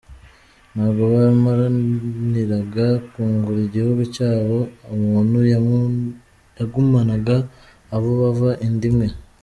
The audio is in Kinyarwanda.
Ntabwo bamaraniraga kwungura igihugu cyabo, umuntu yagumanaga abo bava inda imwe.